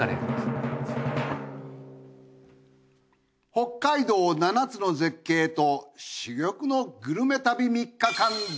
北海道７つの絶景と珠玉のグルメ旅３日間です。